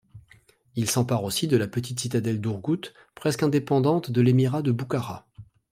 Il s'empare aussi de la petite citadelle d'Ourgout, presque indépendante de l'émirat de Boukhara.